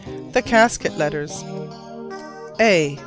THE CASKET LETTERS. A.